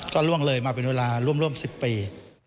ก็ล่วงเลยมาเป็นเวลาร่วม๑๐ปี